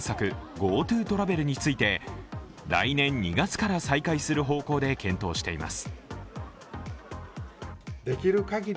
ＧｏＴｏトラベルについて来年２月から再開する方向で検討しています。